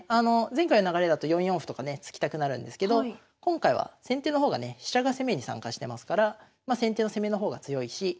前回の流れだと４四歩とかね突きたくなるんですけど今回は先手の方がね飛車が攻めに参加してますからまあ先手の攻めの方が強いし